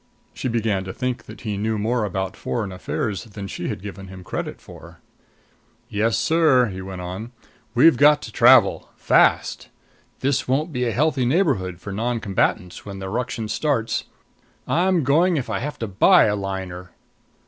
She began to think he knew more about foreign affairs than she had given him credit for. "Yes, sir," he went on; "we've got to travel fast. This won't be a healthy neighborhood for non combatants when the ruction starts. I'm going if I have to buy a liner!"